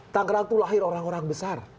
tangerang itu lahir orang orang besar